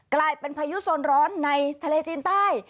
กลายเป็นพายุโซนร้อนในทะเลจีนใต้